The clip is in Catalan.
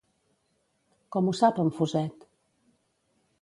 Com ho sap en Fuset?